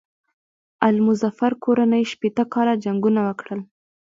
آل مظفر کورنۍ شپېته کاله جنګونه وکړل.